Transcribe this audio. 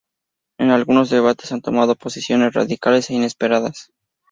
En algunos debates han tomado posiciones radicales e inesperadas.